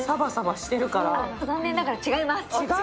残念ながら違います。